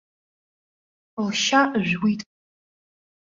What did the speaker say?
Лшьа жәуит.